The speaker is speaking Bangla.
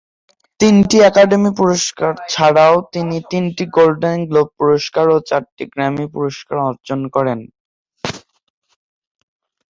তিনটি একাডেমি পুরস্কার ছাড়াও তিনি তিনটি গোল্ডেন গ্লোব পুরস্কার ও চারটি গ্র্যামি পুরস্কার অর্জন করেন।